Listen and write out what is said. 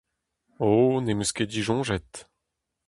O , ne'm eus ket disoñjet !